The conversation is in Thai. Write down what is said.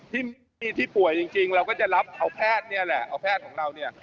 ที่ป่วยจริงเราก็จะรับเอาแพทย์เนี่ยแหละเอาแพทย์ของเราเนี่ย